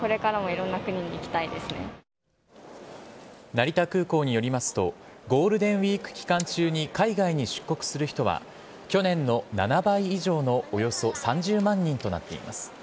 成田空港によりますとゴールデンウイーク期間中に海外に出国する人は去年の７倍以上のおよそ３０万人となっています。